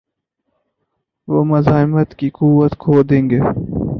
وہ مزاحمت کی قوت کھو دیں گے۔